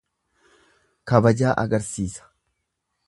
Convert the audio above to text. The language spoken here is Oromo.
Kabajaa agarsiisa.